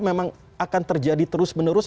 memang akan terjadi terus menerus